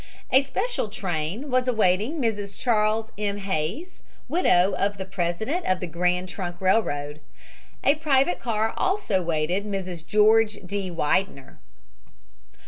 A special train was awaiting Mrs. Charles M. Hays, widow of the president of the Grand Trunk Railroad. A private car also waited Mrs. George D. Widener.